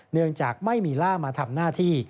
เนื่องจากไม่มีล่ามาทำหน้าที่